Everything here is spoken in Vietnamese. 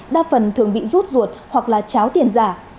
đa phần thường bị rút ruột hoặc là cháo tiền giả